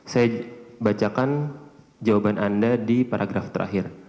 saya bacakan jawaban anda di paragraf terakhir